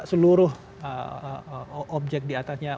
seluruh objek diatasnya